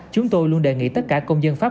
chúng tôi luôn đề nghị tất cả công dân pháp